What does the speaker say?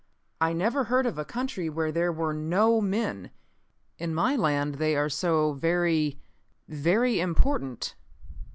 "I never heard of a country where there were no men. In my land they are so very, very important."